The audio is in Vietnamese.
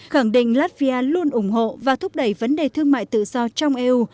khẳng định latvia luôn ủng hộ và thúc đẩy vấn đề thương mại tự do trong eu